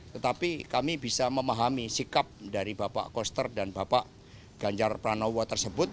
tetapi kami bisa memahami sikap dari bapak koster dan bapak ganjar pranowo tersebut